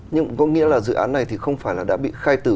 nhưng có nghĩa là dự án này thì không phải là đã bị khai tử